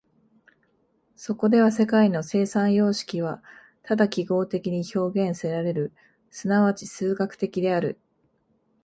そこでは世界の生産様式はただ記号的に表現せられる、即ち数学的である。